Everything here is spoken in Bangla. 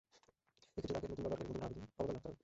এক্ষেত্রে তাকে নতুন ব্যবহারকারীর মত করে অবদান রাখতে হবে।